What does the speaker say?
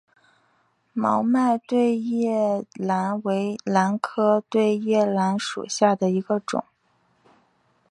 毛脉对叶兰为兰科对叶兰属下的一个种。